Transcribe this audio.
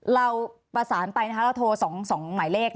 เราประสานไปนะคะเราโทร๒หมายเลข